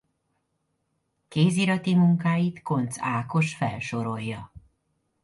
Kézirati munkáit Koncz Ákos felsorolja.